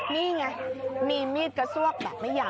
นี่ไงมีมีดกระซวกแบบไม่ยาว